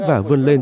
và vươn lên